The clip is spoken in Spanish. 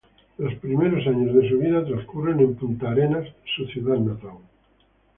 Los primeros años de su vida transcurren en Punta Arenas, su ciudad natal.